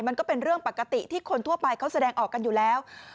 มันก็เป็นเรื่องปกติที่คนทั่วไปเขาแสดงออกกันอยู่แล้ว